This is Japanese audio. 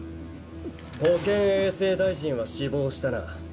保健衛生大臣は死亡したな。